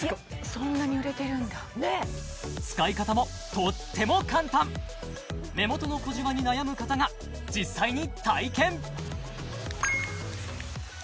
そんなに売れてるんだ使い方もとっても簡単目元の小じわに悩む方が実際に体験